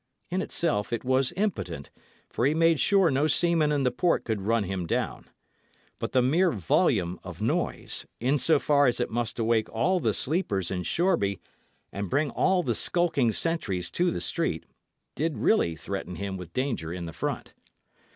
In itself, it was impotent, for he made sure no seaman in the port could run him down. But the mere volume of noise, in so far as it must awake all the sleepers in Shoreby and bring all the skulking sentries to the street, did really threaten him with danger in the front.